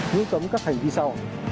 sáu như tấm các hành vi sau